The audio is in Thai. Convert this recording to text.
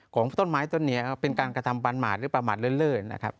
ของต้นไม้ต้นนี้เป็นการกระทำปันหมาดหรือประมาทเลิศนะครับ